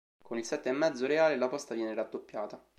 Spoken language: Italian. Con il sette e mezzo reale la posta viene raddoppiata.